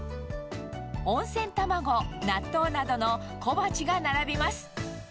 温泉卵、納豆などの小鉢が並びます。